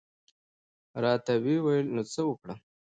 را ته وې ویل نو څه وکړم؟